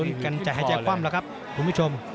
มาลุ้นกันใจหายใจความแล้วครับคุณผู้ชม